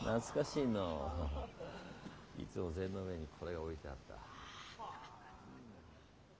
いつも膳の上にこれが置いてあった。